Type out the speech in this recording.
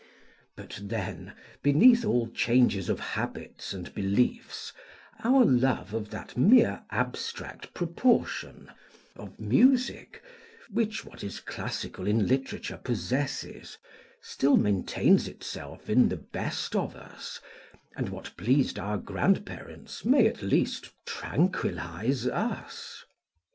But then, beneath all changes of habits and beliefs, our love of that mere abstract proportion of music which what is classical in literature possesses, still maintains itself in the best of us, and what pleased our grandparents may at least tranquillise us.